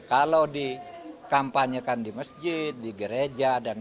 kalau di kampanyekan di masjid di gereja dan sebagainya